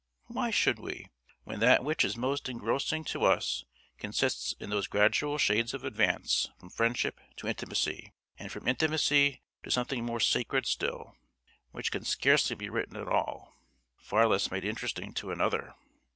Why should we, when that which is most engrossing to us consists in those gradual shades of advance from friendship to intimacy, and from intimacy to something more sacred still, which can scarcely be written at all, far less made interesting to another?